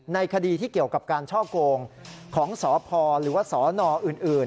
ในคดีที่เกี่ยวกับการช่อโกงของสพหรือว่าสนอื่น